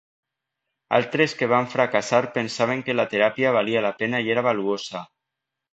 Altres que van fracassar pensaven que la teràpia valia la pena i era valuosa.